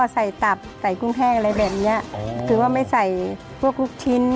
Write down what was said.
ตับใส่กุ้งแห้งอะไรแบบเนี้ยคือว่าไม่ใส่พวกลูกชิ้น